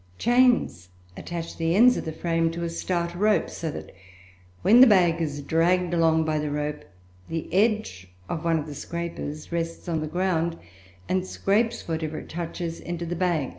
Chains attach the ends of the frame to a stout rope, so that when the bag is dragged along by the rope the edge of one of the scrapers rests on the ground, and scrapes whatever it touches into the bag.